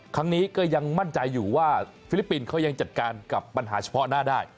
ก็ยังมั่นใจอยู่ว่าฟิลิปปินส์เขายังจัดการกับปัญหาเฉพาะหน้าได้